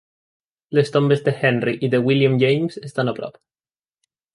Les tombes de Henry i de William James estan a prop.